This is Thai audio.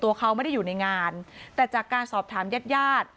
ไม่ได้อยู่ในงานแต่จากการสอบถามญาติญาติ